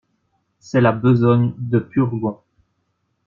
C'est là besogne de purgons.